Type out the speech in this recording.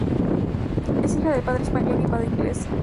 Es hija de padre español y madre inglesa.